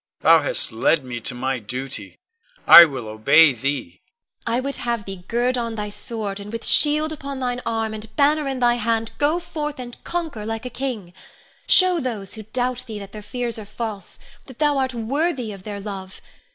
Thou hast led me to my duty; I will obey thee. Ione. I would have thee gird on thy sword, and with shield upon thine arm, and banner in thy hand, go forth and conquer like a king. Show those who doubt thee that their fears are false, that thou art worthy of their love.